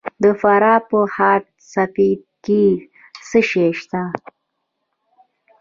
د فراه په خاک سفید کې څه شی شته؟